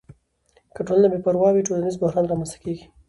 که ټولنه بې پروا وي، ټولنیز بحران رامنځته کیږي.